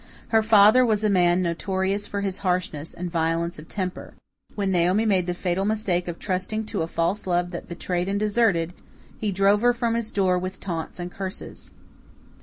Her father was a man notorious for his harshness and violence of temper. When Naomi made the fatal mistake of trusting to a false love that betrayed and deserted, he drove her from his door with taunts and curses.